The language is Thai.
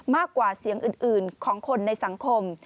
มากกว่าเสียงอื่นของคนในสังคม